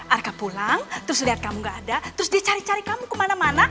arka pulang terus lihat kamu gak ada terus dia cari cari kamu kemana mana